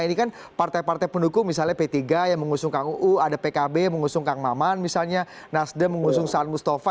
ini kan partai partai pendukung misalnya p tiga yang mengusung kang uu ada pkb mengusung kang maman misalnya nasdem mengusung saan mustafa